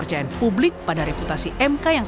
oppalan sudah selesai tempats